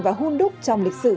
và hôn đúc trong lịch sử